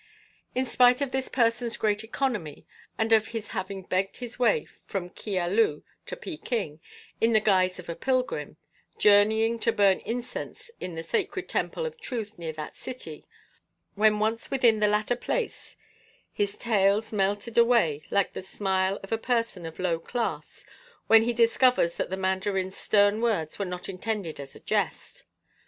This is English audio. In spite of this person's great economy, and of his having begged his way from Kia Lu to Peking in the guise of a pilgrim, journeying to burn incense in the sacred Temple of Truth near that city, when once within the latter place his taels melted away like the smile of a person of low class when he discovers that the mandarin's stern words were not intended as a jest.